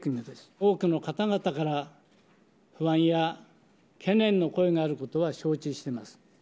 多くの方々から不安や懸念の声があることは承知しています。